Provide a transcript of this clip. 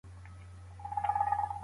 د بیان ازادي د بشر مسلم حق دی.